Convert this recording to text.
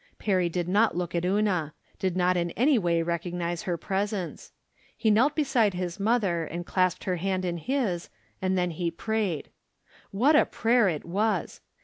Perry did not look at Una — did not in any way recognize her presence. He knelt beside his mother and clasped her hand in his, and then he prayed. What a prayer it was